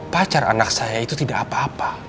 pacar anak saya itu tidak apa apa